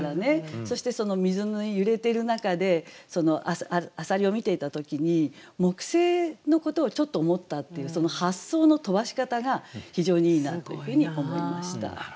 そしてその水のゆれてる中で浅蜊を見ていた時に木星のことをちょっと思ったっていうその発想の飛ばし方が非常にいいなというふうに思いました。